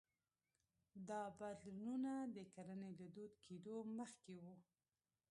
دا بدلونونه د کرنې له دود کېدو مخکې وو